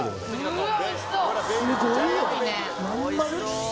うわ